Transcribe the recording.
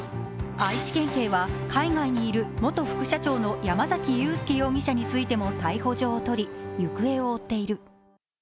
愛知県警は海外にいる元副社長の山崎裕輔容疑者についても逮捕状を取り、行方を追っている。